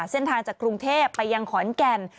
เส้นทางจากกรุงเทพไปยังขอนแก่น